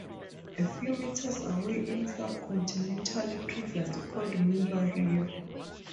A few meters away is Club Continental, previously called Mira Rio.